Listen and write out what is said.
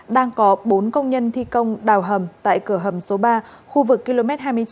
đang có bốn công nhân thi công đào hầm tại cửa hầm số ba khu vực km hai mươi chín